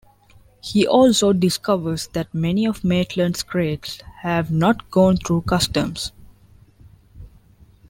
He also discovers that many of Maitland's crates have not gone through customs.